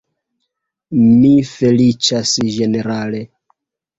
Mi feliĉas ĝenerale!